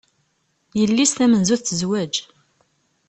Yelli-s tamenzut tezweǧ.